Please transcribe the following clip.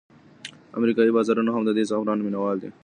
امریکایي بازارونه هم د دې زعفرانو مینوال دي.